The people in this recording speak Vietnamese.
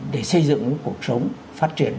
để xây dựng cuộc sống phát triển